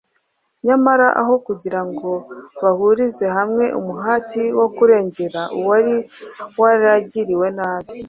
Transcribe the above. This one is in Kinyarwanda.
Nyamara aho kugira ngo bahurize hamwe umuhati wo kurengera uwari waragiriwe nabi